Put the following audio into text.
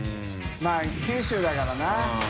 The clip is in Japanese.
泙九州だからな。